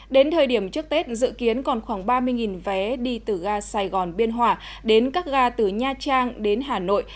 đến thời điểm trước tết dự kiến còn khoảng ba mươi vé đi từ ga sài gòn biên hòa đến các ga từ nha trang đến hà nội